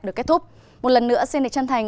được kết thúc một lần nữa xin được chân thành